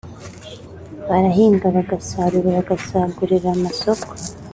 barahinga bagasarura bagasagurira amasoko